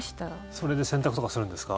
それで洗濯とかするんですか？